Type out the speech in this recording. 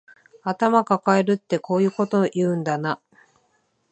頭かかえるってこういうこと言うんだな